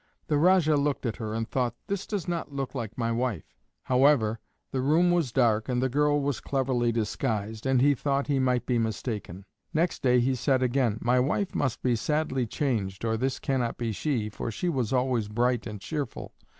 The Rajah looked at her, and thought, "This does not look like my wife." However, the room was dark and the girl was cleverly disguised, and he thought he might be mistaken. Next day he said again: "My wife must be sadly changed or this cannot be she, for she was always bright and cheerful.